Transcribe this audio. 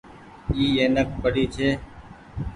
اي اينڪ پڙي ڇي۔